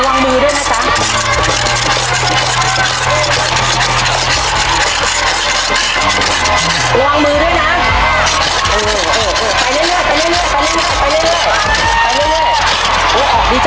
วางมือด้วยนะจ๊ะ